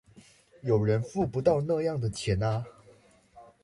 有人付不到那樣的錢啊